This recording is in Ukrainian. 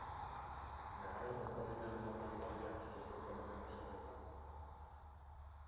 Негайно знов ідемо на полювання, щоб виконати наше завдання.